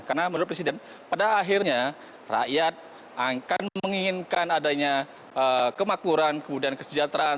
karena menurut presiden pada akhirnya rakyat akan menginginkan adanya kemakmuran kemudian kesejahteraan